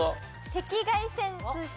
赤外線通信。